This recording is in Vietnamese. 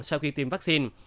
sau khi tiêm vaccine